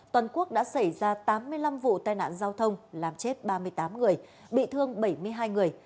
toàn quốc đã xảy ra tám mươi năm vụ tai nạn giao thông làm chết ba mươi tám người bị thương bảy mươi hai người